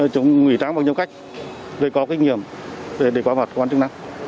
chúng ngủy tráng bằng nhiều cách để có kinh nghiệm để quả mặt quan chức năng